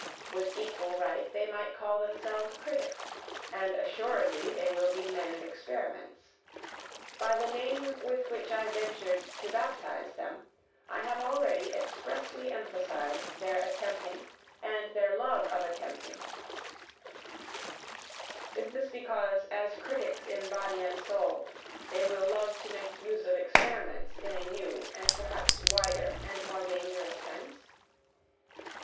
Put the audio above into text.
With equal right they might call themselves critics, and assuredly they will be men of experiments. By the name with which I ventured to baptize them, I have already expressly emphasized their attempting and their love of attempting is this because, as critics in body and soul, they will love to make use of experiments in a new, and perhaps wider and more dangerous sense?